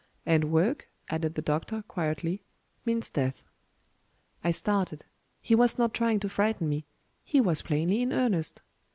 "And work," added the doctor, quietly, "means death." I started. He was not trying to frighten me: he was plainly in earnest.